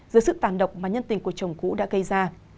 dưới sự tàn độc mà nhân tình của chồng cũ đã gây ra